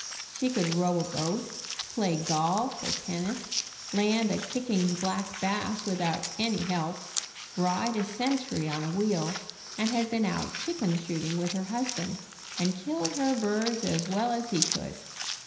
She could row a boat, play golf or tennis, land a kicking black bass without any help, ride a century on a wheel, and had been out chicken shooting with her husband, and killed her birds as well as he could.